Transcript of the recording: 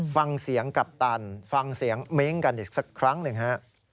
ฟังเสียงกัปตันฟังเสียงเม้งกันอีกสักครั้งหนึ่งฮะ